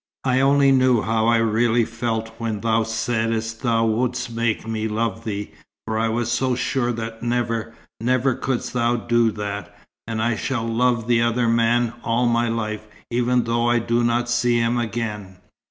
"I only knew how I really felt when thou saidst thou wouldst make me love thee, for I was so sure that never, never couldst thou do that. And I shall love the other man all my life, even though I do not see him again."